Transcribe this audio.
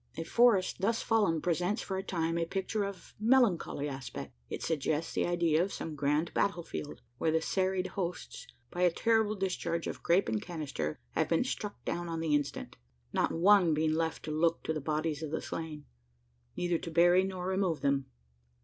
A forest, thus fallen, presents for a time a picture of melancholy aspect. It suggests the idea of some grand battle field, where the serried hosts, by a terrible discharge of "grape and canister," have been struck down on the instant: not one being left to look to the bodies of the slain neither to bury nor remove them.